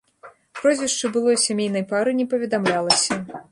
Прозвішча былой сямейнай пары не паведамлялася.